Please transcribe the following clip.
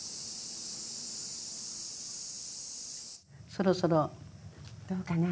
そろそろ。どうかな？